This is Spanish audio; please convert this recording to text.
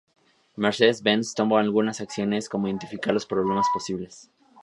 Mercedes-Benz tomó algunas acciones como, identificar los problemas posibles.